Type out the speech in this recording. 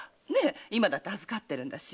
今だって預かってるんだし。